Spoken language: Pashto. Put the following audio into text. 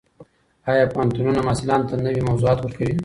ایا پوهنتونونه محصلانو ته نوي موضوعات ورکوي؟